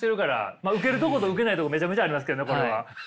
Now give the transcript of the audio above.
まあウケるとことウケないとこめちゃめちゃありますけどねこれは。